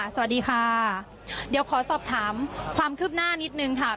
สวัสดีค่ะเดี๋ยวขอสอบถามความคืบหน้านิดนึงค่ะ